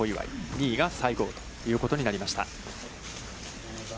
２位が西郷ということになりました。